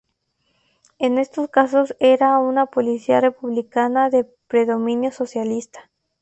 En estos casos era una policía republicana de predominio socialista.